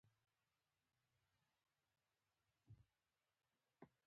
اووه بعدی سینما څه ده؟